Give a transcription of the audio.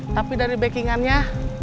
tapi dari backingannya